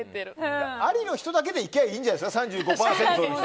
ありの人だけで行けばいいんじゃないですか。